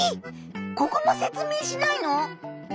ここも説明しないの？